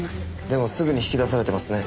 でもすぐに引き出されてますね。